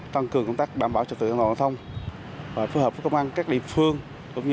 tăng cường công tác bảo bảo trợ tự an toàn giao thông phối hợp với công an các địa phương cũng